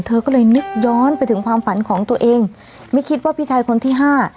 เธอก็เลยนึกย้อนไปถึงความฝันของตัวเองไม่คิดว่าพี่ชายคนที่ห้า